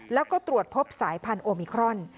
แล้วก็ตรวจพบสายพันธุมิครอน